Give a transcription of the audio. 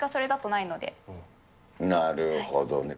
なるほどね。